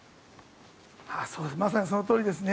まさにそのとおりですね。